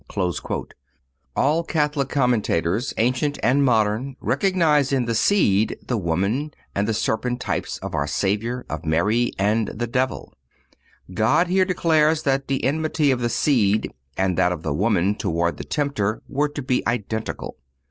(236) All Catholic commentators, ancient and modern, recognize in the Seed, the Woman and the serpent types of our Savior, of Mary and the devil. God here declares that the enmity of the Seed and that of the Woman toward the tempter were to be identical.